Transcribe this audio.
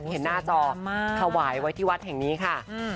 เห็นหน้าจอถวายไว้ที่วัดแห่งนี้ค่ะ